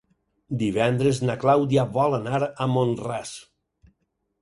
Divendres na Clàudia vol anar a Mont-ras.